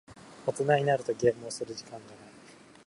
大人になるとゲームをする時間がない。